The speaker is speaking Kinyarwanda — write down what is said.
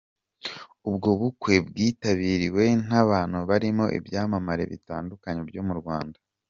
Ubwo bukwe bwitabiriwe n’abantu barimo ibyamamare bitandukanye byo mu Rwanda.